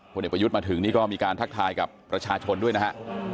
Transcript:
เด็กประยุทธ์มาถึงนี่ก็มีการทักทายกับประชาชนด้วยนะฮะ